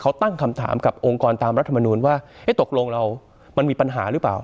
เขาตั้งคำถามกับองค์กรตามรัฐมนูลว่าตกลงเรามันมีปัญหาหรือเปล่า